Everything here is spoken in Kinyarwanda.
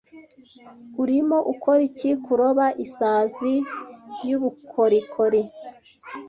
urimo ukora iki Kuroba isazi yubukorikori